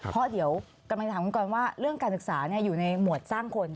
เพราะเดี๋ยวกำลังจะถามคุณกรว่าเรื่องการศึกษาอยู่ในหมวดสร้างคน